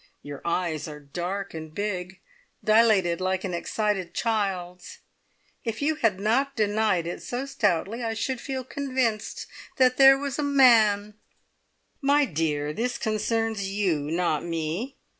Your eyes are dark and big dilated, like an excited child's! If you had not denied it so stoutly, I should feel convinced that there was a man " "My dear, this concerns you, not me.